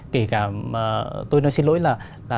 kể cả tôi nói xin lỗi là